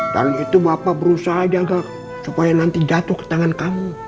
dan itu bapak berusaha jaga supaya nanti jatuh ke tangan kamu